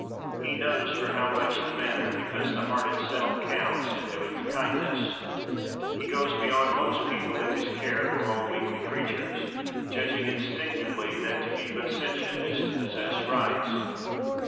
He knows for how much the manner, because the heart itself, counts, in doing a kindness. He goes beyond most people in his care for all weakly creatures; judging, instinctively, that to be but sentient is to possess rights.